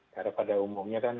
karena pada umumnya kan